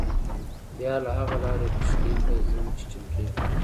بیا له هغه لارې کښتۍ ته ځم چې چمتو یې کړم.